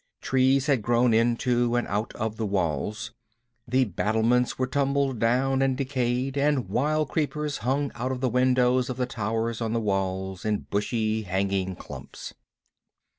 Trees had grown into and out of the walls; the battlements were tumbled down and decayed, and wild creepers hung out of the windows of the towers on the walls in bushy hanging clumps.